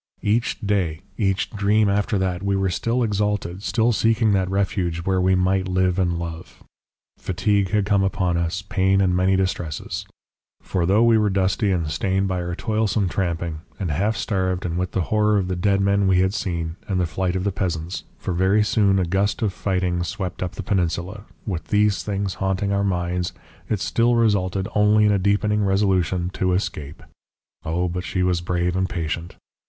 "Each day, each dream after that, we were still exalted, still seeking that refuge where we might live and love. Fatigue had come upon us, pain and many distresses. For though we were dusty and stained by our toilsome tramping, and half starved and with the horror of the dead men we had seen and the flight of the peasants for very soon a gust of fighting swept up the peninsula with these things haunting our minds it still resulted only in a deepening resolution to escape. O, but she was brave and patient!